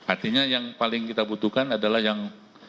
artinya yang paling kita butuhkan adalah yang